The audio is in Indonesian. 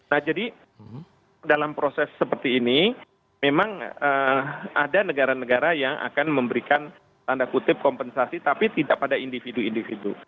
nah jadi dalam proses seperti ini memang ada negara negara yang akan memberikan tanda kutip kompensasi tapi tidak pada individu individu